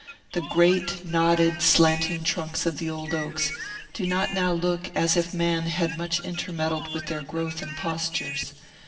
The great, knotted, slanting trunks of the old oaks do not now look as if man had much intermeddled with their growth and postures.